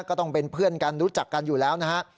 ก็เป็นเพื่อนกันรู้จักกันอยู่แล้วนะฮะ